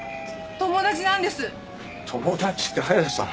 友達って早瀬さん